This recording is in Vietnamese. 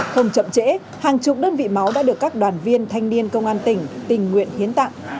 không chậm trễ hàng chục đơn vị máu đã được các đoàn viên thanh niên công an tỉnh tình nguyện hiến tặng